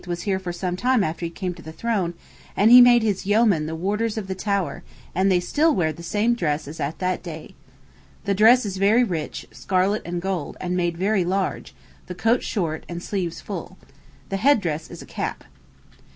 was here for some time after he came to the throne, and he made his yeomen the wardens of the Tower, and they still wear the same dress as at that day. The dress is very rich, scarlet and gold, and made very large; the coat short, and sleeves full. The head dress is a cap.